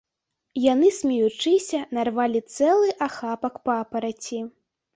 Яны, смеючыся, нарвалі цэлы ахапак папараці.